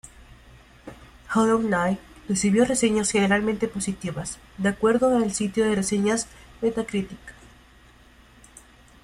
Hollow Knight recibió reseñas "generalmente positivas", de acuerdo al sitio de reseñas Metacritic.